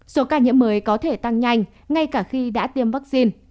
số ca nhiễm mới có thể tăng nhanh ngay cả khi đã tiêm vaccine